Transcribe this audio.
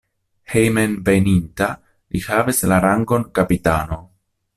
Hejmenveninta li havis la rangon kapitano.